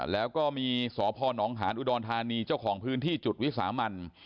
แล้วก็มีสพนหารอุดรธานีเจ้าของพื้นที่จุดวิสามัน